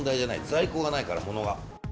在庫がないから、ものが。